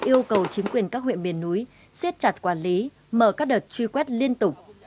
yêu cầu chính quyền các huyện miền núi siết chặt quản lý mở các đợt truy quét liên tục